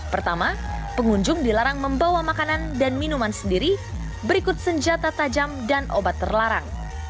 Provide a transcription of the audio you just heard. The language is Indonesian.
pertama pengunjung dilarang membawa makanan dan minuman sendiri berikut senjata tajam dan obat terlarang